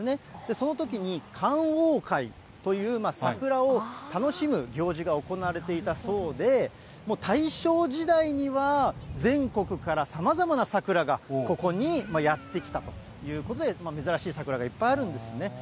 そのときに、観桜会という桜を楽しむ行事が行われていたそうで、大正時代には全国からさまざまな桜がここにやって来たということで、珍しい桜がいっぱいあるんですね。